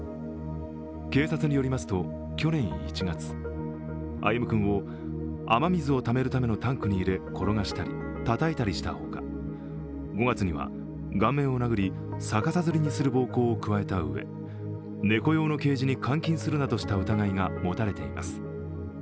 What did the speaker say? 警察によりますと、去年１月、歩夢君を雨水をためるためのタンクに入れ転がしたり、たたいたりした他、５月には顔面を殴り、逆さづりにする暴行を加えたうえ、猫用のケージに監禁するなどした疑いが持たれています。